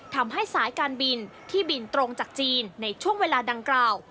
ทำให้สายการบินที่บินตรงจากจีนในช่วงเวลาดังกล่าว